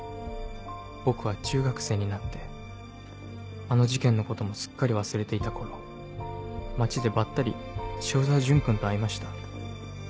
僕は中学生になってあの事件のこともすっかり忘れていた頃街でばったり塩澤潤君と会いました。